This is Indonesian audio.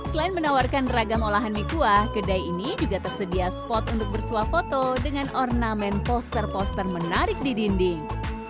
selain menawarkan ragam olahan mie kuah kedai ini juga tersedia spot untuk bersuah foto dengan ornamen poster poster menarik di dinding